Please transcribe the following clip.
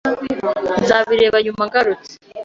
Nzabireba nyuma ngarutse.